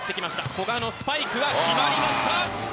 古賀のスパイクは決まりました。